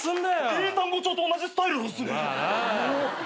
英単語帳と同じスタイルですね。